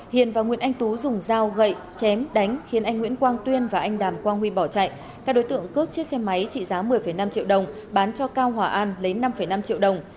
hiền và nguyễn anh tú dùng dao gậy chém đánh khiến anh nguyễn quang tuyên và anh đàm quang huy bỏ chạy các đối tượng cướp chiếc xe máy trị giá một mươi năm triệu đồng bán cho cao hòa an lấy năm năm triệu đồng